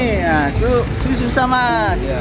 nah itu susah mas